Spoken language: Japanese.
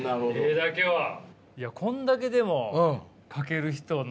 いやこんだけでも描ける人の悩み